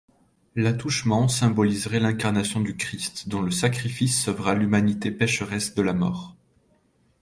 L'attouchement symboliserait l'incarnation du Christ dont le sacrifice sauvera l'humanité pécheresse de la mort.